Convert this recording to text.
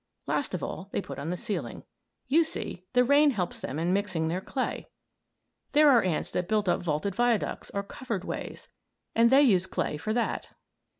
Last of all they put on the ceiling. You see the rain helps them in mixing their clay. There are ants that build up vaulted viaducts or covered ways, and they use clay for that.